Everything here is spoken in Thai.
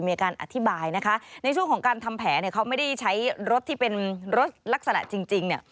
มีการอธิบายนะคะในช่วงของการทำแผลเนี่ยเขาไม่ได้ใช้รถที่เป็นรถลักษณะจริงเนี่ย